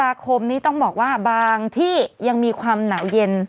คมนี้ต้องบอกว่าบางที่ยังมีความหนาวเย็น